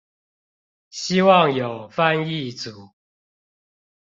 希望有翻譯組